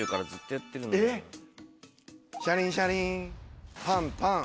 えっ⁉シャリンシャリンパンパン。